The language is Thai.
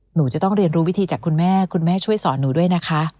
หนูจะต้องเรียนรู้วิธีจากคุณแม่คุณแม่ช่วยสอนหนูด้วยนะคะ